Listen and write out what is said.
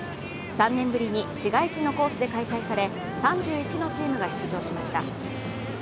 ３年ぶりに市街地のコースで開催され、３１のチームが出場しました。